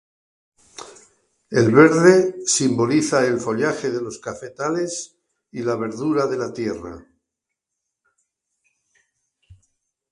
El verde simboliza el follaje de los cafetales y la verdura de la tierra.